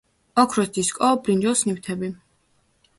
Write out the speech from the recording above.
ოქროს დისკო, ბრინჯაოს ნივთები.